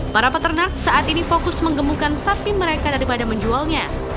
para peternak saat ini fokus mengemukan sapi mereka daripada menjualnya